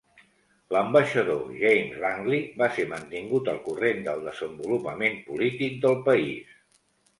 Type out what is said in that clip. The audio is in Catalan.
L'ambaixador James Langley va ser mantingut al corrent del desenvolupament polític del país.